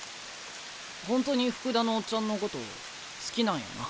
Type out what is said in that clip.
本当に福田のオッチャンのこと好きなんやな。